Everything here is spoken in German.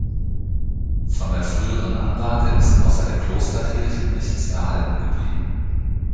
Von der früheren Anlage ist außer der Klosterkirche nichts erhalten geblieben.